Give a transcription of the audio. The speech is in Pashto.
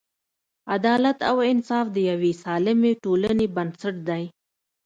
عدالت او انصاف د یوې سالمې ټولنې بنسټ دی.